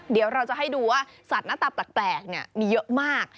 เดี๋ยวเราจะให้ดูว่าสัตว์หน้าตาแปลกมีเยอะมาก